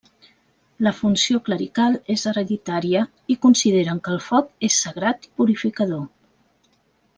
La funció clerical és hereditària i consideren que el foc és sagrat i purificador.